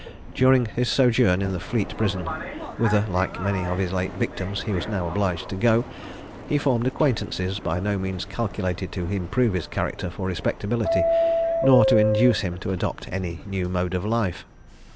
During his sojourn in the Fleet Prison, whither, like many of his late victims, he was now obliged to go, he formed acquaintances by no means calculated to improve his character for respectability, nor to induce him to adopt any new mode of life.